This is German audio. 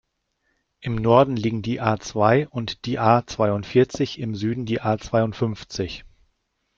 Im Norden liegen die A-zwei und die A-zweiundvierzig, im Süden die A-zweiundfünfzig.